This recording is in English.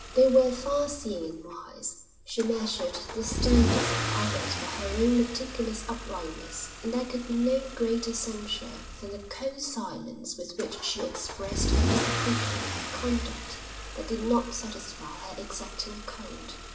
They were far seeing and wise. She measured the standards of others by her own meticulous uprightness and there could be no greater censure than the cold silence with which she expressed her disapproval of a conduct that did not satisfy her exacting code.